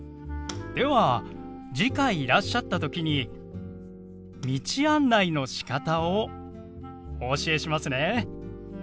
では次回いらっしゃった時に道案内のしかたをお教えしますね。